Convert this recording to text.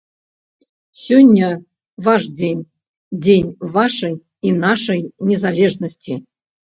Сёння ваш дзень, дзень вашай і нашай незалежнасці.